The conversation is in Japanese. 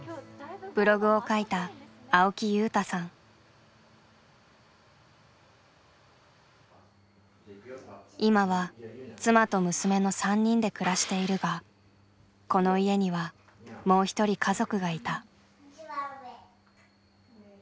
ブログを書いた今は妻と娘の３人で暮らしているがこの家にはもう一人家族がいた。